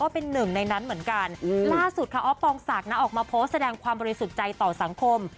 ปองศักดิ์นะออกมาโพสต์แสดงความบริสุทธิ์ใจต่อสังคม